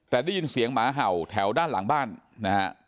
แต่ได้ยินเสียงหมาเห่าแถวด้านหลังบ้านนะฮะ